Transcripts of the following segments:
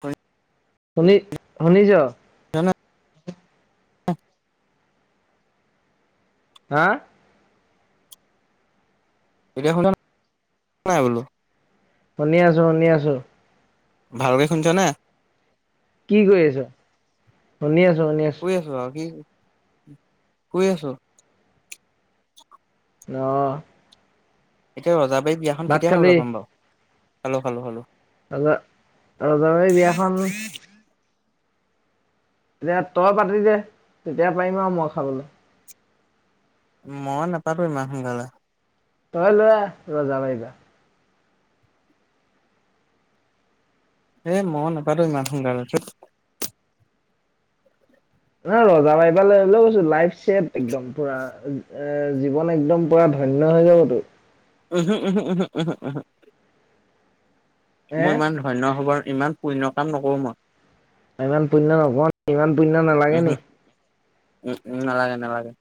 হয়। শুনি শুনিছ। অ হা এতিয়া শু নাই বোলো? শুনি আছো শুনি আছো। ভালকে শুনছ ন। কি কৰি আছো শুনি আছো শুনি আছো। শুই আৰু কি শুই আছো। ন এতিয়া ৰজাবাৰ বিয়াখন কেতিয়া খাব ল পাম বাৰু খালো খালো খালো। ৰববাই বিয়াখন। এতিয়া তই পাতি দে তেতিয়া পাৰিম আৰু মই খাবলৈ মই নাপালো ইমান সোনকালে। তই লোৱা ৰজা লৈয়োৱো এ মই নাপালো ইমান সোনকালে ছত। ন ৰজা পাইব কৈছো লাইফ চট একদম পুৰা এ জীৱন একদম পুৰা ধনয় হৈ যাবতো উম উু উম উুম উম উু। হে মই ইমান ধন্য হবৰ ইমান পুণ্য কাম নকৰোঁ মই। ইমান পুণ্য নকোৱা ইমান পুণ্য নালাগে উহু নি। উম উম নালাগে নালাগে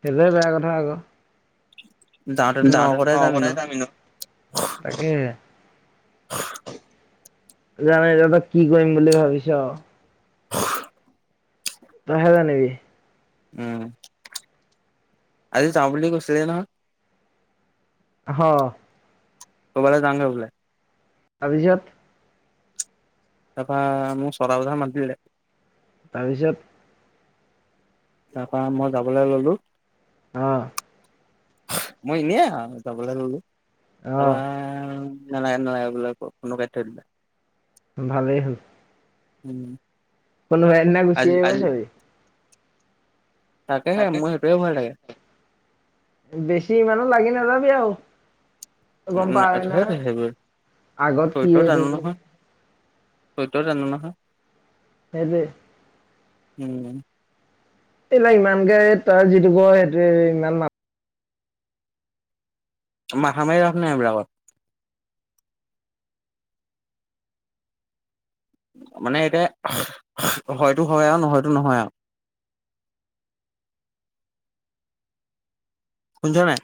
সেইটো বেয়া কথা আকৌ। যাওঁতেতো যাওতেতো নৰকতে লগতে এনেও। যাম এনো তাকে। জামেই জামেই কি কৰিম বুলি ভাবিছ। তইহে জানবি। উম আজি যাওঁ বুলি কৈছিলে নহয়। হ কবালে য়াওগে বোলে তাৰ পিছত তাৰপৰা মোক চতা বজাত মাতিলে। তাৰপিছত তাৰ পৰা মই যাবলৈ ললো- আহ মই এনেই আহ যাবলৈ ললো তাপা। অ নালাগে নালাগে বোলে ফোনটো কাটি থৈ দিলে। ভালেই হ'ল। উম কোনোবাই দিনা ঘুচি আজি আহি য়াবি তাকেহে মোৰ সেইটোৱে হে ভয় লাগে। বেছি ইমানো লাগি নাযাবি আৰু গম উম, পাৱে ধেত নহয় সেইবোৰ আগত কি হৈ থৈছিলে? তইতো জান নহয়। সেতো এ উম [unintelligible] কেলে ইমানকে ৰেত তাৰ যিটো ঘৰ সেইটোৱে ইমান মাত মাথা মাৰি লাভ নাই এই বিলাকত- মানে এতিয়া হয়তো হয় আৰু নহয়তো নহয় আৰু। [unintelligible] শুনিছ নাই।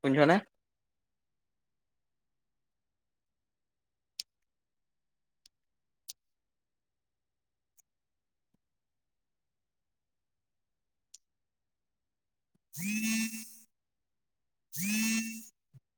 শুনিছনে? [unintelligible]